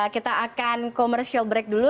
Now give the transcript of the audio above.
kita akan commercial break dulu